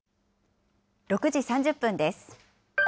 ６時３０分です。